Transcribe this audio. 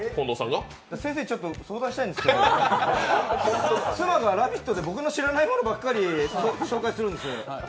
先生、ちょっと相談したいんですけど、妻が「ラヴィット！」で僕の知らないものばっかり紹介するんですね。